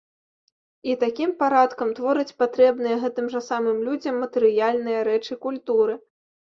І такім парадкам творыць патрэбныя гэтым жа самым людзям матэрыяльныя рэчы культуры.